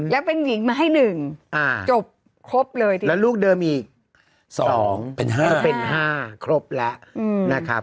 แล้วเป็นหญิงมาให้๑จบครบเลยดีแล้วลูกเดิมอีก๒เป็น๕เป็น๕ครบแล้วนะครับ